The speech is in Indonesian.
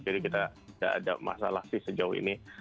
jadi kita gak ada masalah sih sejauh ini